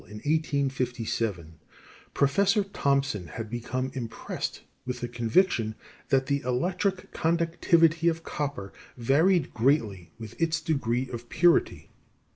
_ Since the manufacture of the cable in 1857, Professor Thomson had become impressed with the conviction that the electric conductivity of copper varied greatly with its degree of purity.